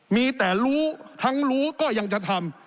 มีแต่รู้ทั้งรู้ก็ยังจะทำ